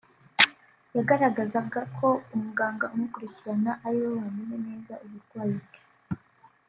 yagaragazaga ko umuganga umukurikirana ari we wamenya neza uburwayi bwe